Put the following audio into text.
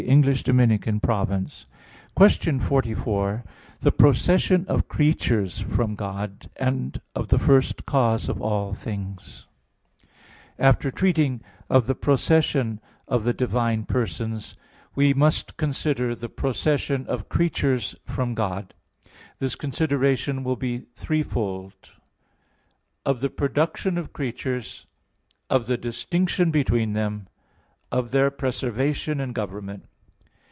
44 49) _______________________ QUESTION 44 THE PROCESSION OF CREATURES FROM GOD, AND OF THE FIRST CAUSE OF ALL THINGS (In Four Articles) After treating of the procession of the divine persons, we must consider the procession of creatures from God. This consideration will be threefold: (1) of the production of creatures; (2) of the distinction between them; (3) of their preservation and government.